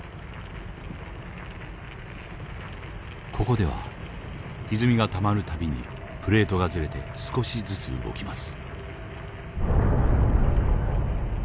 ここではひずみがたまる度にプレートがずれて少しずつ動きます。